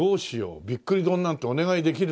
びっくり丼なんてお願いできるの？